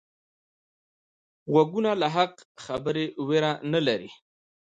غوږونه له حق خبرې ویره نه لري